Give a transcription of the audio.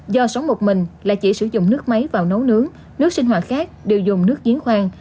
do sống một mình là chỉ sử dụng nước máy vào nấu nướng nước sinh hoạt khác đều dùng nước giếng khoan